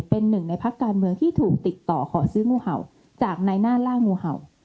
เป็นหนึ่งในพักการเมืองที่ถูกติดต่อขอซื้องูเห่าจากในหน้าล่างงูเห่า